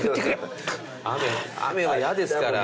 雨は嫌ですから。